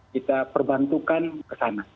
kita perbantukan kesana